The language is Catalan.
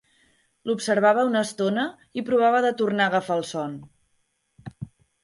L'observava una estona i provava de tornar a agafar el son.